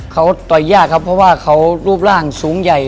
เขาต่อยยากครับเพราะว่าเขารูปร่างสูงใหญ่